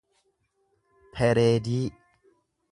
pereedii